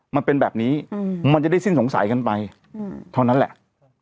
มันเป็นแบบนี้มันจะได้สิ้นสงสัยกันไปเท่านั้นแหละ